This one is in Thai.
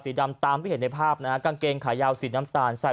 ดำตามที่เห็นในภาพนะฮะกางเกงขายาวสีน้ำตาลใส่